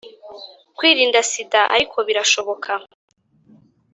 kwirinda sida ariko birashoboka.